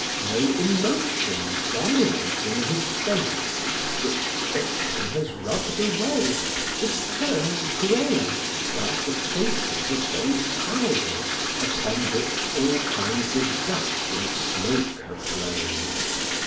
No emotion dominating his face, which friction has rubbed away, it turns gray like the faces of those houses upon which all kinds of dust and smoke have blown.